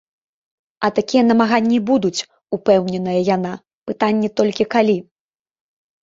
А такія намаганні будуць, упэўненая яна, пытанне толькі, калі.